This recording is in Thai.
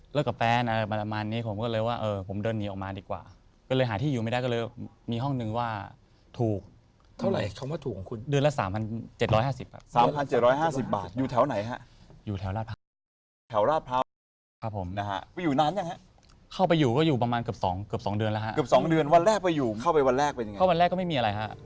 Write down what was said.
เลิกกับแฟนอะไรประมาณนี้